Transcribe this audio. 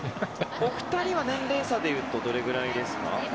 お二人は年齢差でいうとどれぐらいですか？